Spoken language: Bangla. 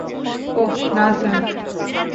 অহ, না, স্যার।